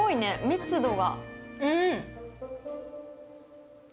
密度が。